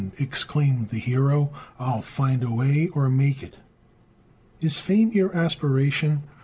exclaimed the hero, "I'LL FIND A WAY, OR MAKE IT!" Is FAME your aspiration?